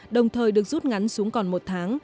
đồng thời được rút ngắn xuống còn một tháng